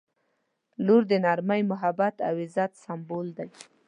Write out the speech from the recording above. • لور د نرمۍ، محبت او عزت سمبول دی.